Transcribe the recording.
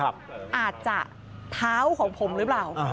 อาจจะเท้าของผมหรือเปล่า